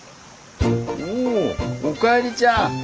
おおかえりちゃん